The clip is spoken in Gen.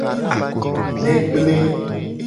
Ne gble.